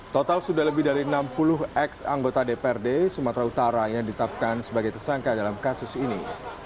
total sudah lebih dari enam puluh ex anggota dprd sumatera utara yang ditetapkan sebagai tersangka dalam kasus ini